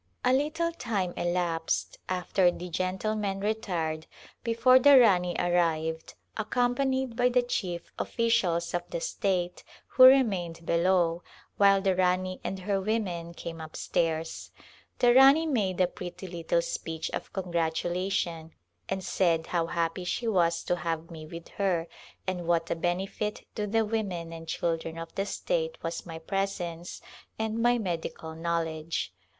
A little time elapsed after the gentlemen retired be fore the Rani arrived accompanied by the chief A Glimpse of India officials of the state, who remained below, while the Rani and her women came up stairs. The Rani made a pretty little speech of congratulation and said how happy she was to have me with her and what a benefit to the women and children of the state was my presence and my medical knowledge.